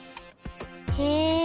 へえ！